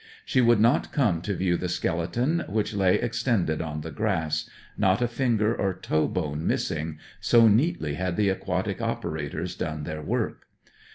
She would not come to view the skeleton, which lay extended on the grass, not a finger or toe bone missing, so neatly had the aquatic operators done their work.